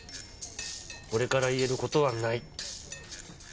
俺から言えることはない。